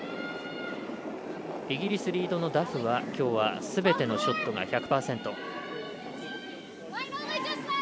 イギリスリードのダフはきょうはすべてのショットが１００％。